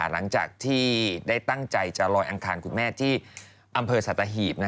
หลังจากที่ได้ตั้งใจจะลอยอังคารคุณแม่ที่อำเภอสัตหีบ